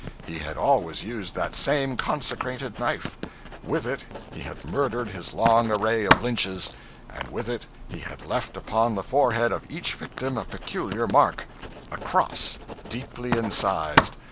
He had always used that same consecrated knife; with it he had murdered his long array of Lynches, and with it he had left upon the forehead of each victim a peculiar mark a cross, deeply incised.